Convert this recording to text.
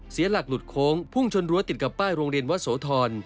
เสียหลักหลุดโค้งพุ่งชนรั้วติดกับป้ายโรงเรียนวัดโสธร